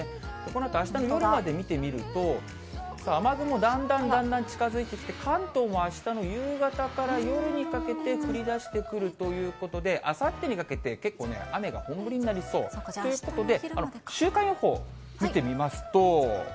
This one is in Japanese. このあと、あしたの夜まで見てみると、雨雲、だんだんだんだん近づいてきて、関東もあしたの夕方から夜にかけて降りだしてくるということで、あさってにかけて、結構、雨が本降りになりそう。ということで、週間予報、見てみますと。